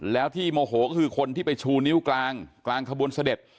แล้วที่โมโหก็คือคนที่ไปชูนิ้วกลางกลางขบวนเสด็จ